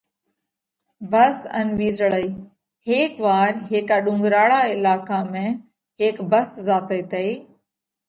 ڀس ان وِيزۯئِي: هيڪ وار هيڪا ڏُونڳراۯا علاقا ۾ هيڪ ڀس زاتئِي تئِي۔